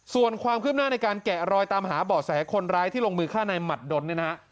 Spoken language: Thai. ส่วนความคืบหน้าในการแกะรอยตามหาเบาะแสคนร้ายที่ลงมือฆ่าในหมัดดนเนี่ยนะฮะ